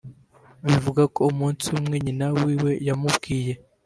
Bivugwa ko umusi umwe nyina wiwe yamubwiye